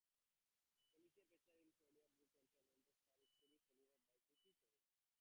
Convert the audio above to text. Felecia features in a comic book entitled "Adult Star Stories: Felecia" by "Hippy Comix".